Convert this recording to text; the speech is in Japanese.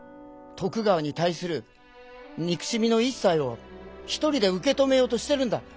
徳川に対する憎しみの一切を一人で受け止めようとしてるんだ。